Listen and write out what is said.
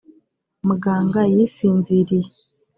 muganga yisinziriye.